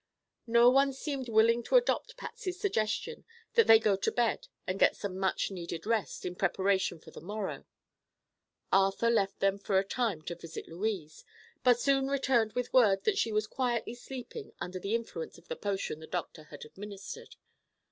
No one seemed willing to adopt Patsy's suggestion that they go to bed and get some much needed rest, in preparation for the morrow. Arthur left them for a time to visit Louise, but soon returned with word that she was quietly sleeping under the influence of the potion the doctor had administered.